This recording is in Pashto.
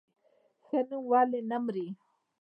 ښه نوم ولې نه مري؟